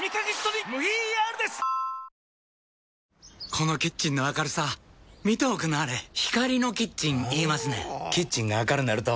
このキッチンの明るさ見ておくんなはれ光のキッチン言いますねんほぉキッチンが明るなると・・・